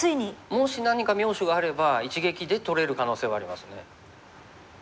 もし何か妙手があれば一撃で取れる可能性はありますね。